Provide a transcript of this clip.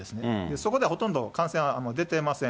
そこではほとんど感染は出てません。